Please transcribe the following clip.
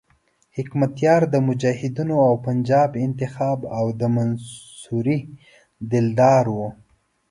حکمتیار د مجاهدینو او پنجاب انتخاب او د منصوري دلدار وو.